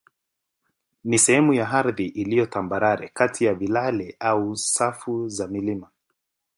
ni sehemu ya ardhi iliyo tambarare kati ya vilele au safu za milima.